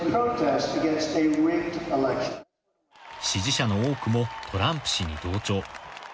支持者の多くもトランプ氏に同調。